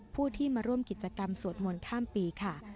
ผู้ที่มาร่วมกิจกรรมสวดมนต์ข้ามปีค่ะ